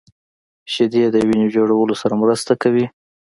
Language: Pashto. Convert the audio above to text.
شیدې د وینې جوړولو سره مرسته کوي